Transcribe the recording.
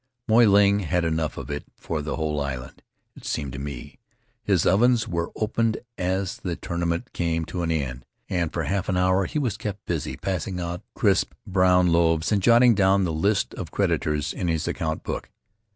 Moy Ling had enough of it for the whole island, it seemed to me. His ovens were opened as the tourna Faery Lands of the South Seas ment came to an end, and for half an hour he was kept busy passing out crisp brown loaves and jotting down the list of creditors in his account book.